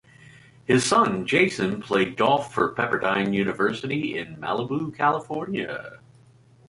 His son, Jason, played golf for Pepperdine University in Malibu, California.